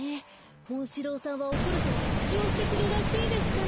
モンシローさんはおこるとずつきをしてくるらしいですから。